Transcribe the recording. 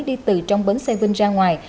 đi từ trong bến xe vinh ra ngoài